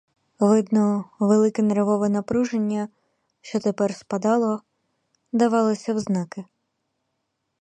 Видно, велике нервове напруження, що тепер спадало, давалося взнаки.